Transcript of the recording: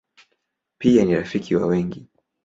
Pia ni rafiki wa wengi.